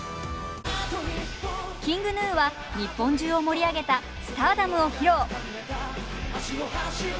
ＫｉｎｇＧｎｕは日本中を盛り上げた「Ｓｔａｒｄｏｍ」を披露。